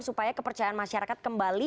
supaya kepercayaan masyarakat kembali